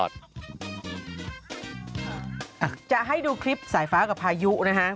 จะให้ดูคลิปสายฟ้ากับพายุนะฮะ